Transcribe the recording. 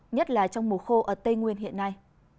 nhất là trong mùa khô ở tây nguyên hiện nay